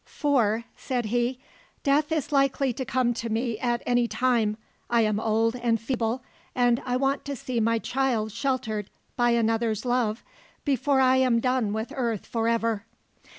"For," said he, "death is likely to come to me at any time: I am old and feeble, and I want to see my child sheltered by another's love before I am done with earth forever."